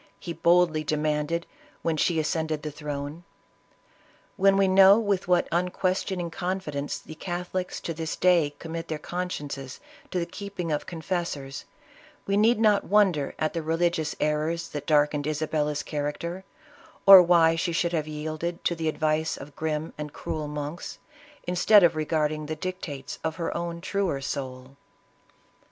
he boldly demanded, when she ascended the throne. "When we know with what unquestioning confidence the Catholics, to this day, commit their consciences to the keeping of confessors, we need not wonder at the religious errors that darkened Isabella's character, or why she should have yielded to the advice of grim, and cruel monks, instead of regarding the dictates of her own truer soul.